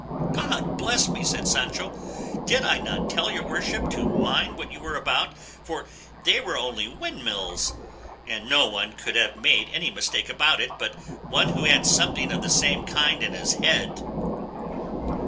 "God bless me!" said Sancho, "did I not tell your worship to mind what you were about, for they were only windmills? and no one could have made any mistake about it but one who had something of the same kind in his head."